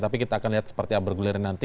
tapi kita akan lihat seperti yang bergulir nanti